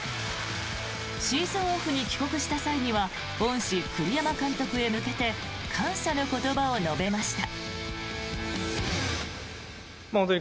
シーズンオフに帰国した際には恩師、栗山監督へ向けて感謝の言葉を述べました。